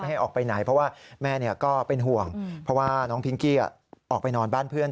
ให้ออกไปไหนเพราะว่าแม่ก็เป็นห่วงเพราะว่าน้องพิงกี้ออกไปนอนบ้านเพื่อน